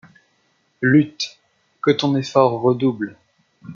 Lutte ! que ton effort redouble